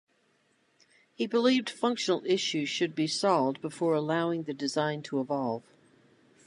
He believed functional issues should be solved before allowing the design to evolve.